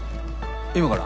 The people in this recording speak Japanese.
今から？